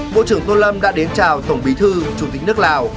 bộ trưởng tô lâm đã đến chào tổng bí thư chủ tịch nước lào